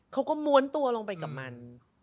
ม้วนตัวลงไปกับมัน